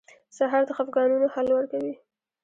سهار د خفګانونو حل ورکوي.